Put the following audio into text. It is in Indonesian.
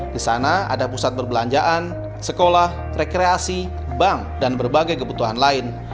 di sana ada pusat perbelanjaan sekolah rekreasi bank dan berbagai kebutuhan lain